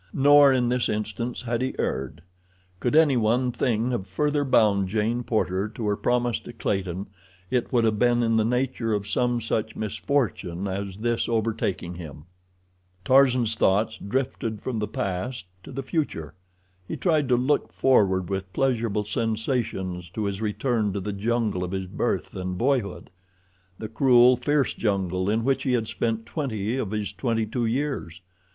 Nor, in this instance, had he erred. Could any one thing have further bound Jane Porter to her promise to Clayton it would have been in the nature of some such misfortune as this overtaking him. Tarzan's thoughts drifted from the past to the future. He tried to look forward with pleasurable sensations to his return to the jungle of his birth and boyhood; the cruel, fierce jungle in which he had spent twenty of his twenty two years.